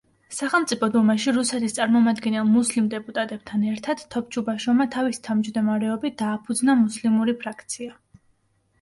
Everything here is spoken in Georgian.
სახელმწიფო დუმაში, რუსეთის წარმომადგენელ მუსლიმ დეპუტატებთან ერთად, თოფჩუბაშოვმა თავისი თავმჯდომარეობით, დააფუძნა მუსლიმური ფრაქცია.